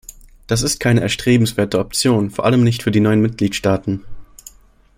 Das ist keine erstrebenswerte Option, vor allem nicht für die neuen Mitgliedstaaten.